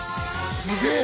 すげえ！